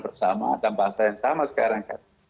bersama dalam bahasa yang sama sekarang